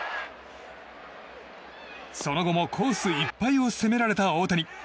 その後もコースいっぱいを攻められた大谷。